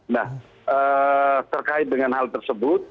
nah terkait dengan hal tersebut